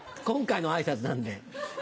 今回の挨拶なんで。